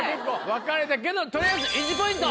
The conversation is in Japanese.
分かれたけど取りあえず１ポイント。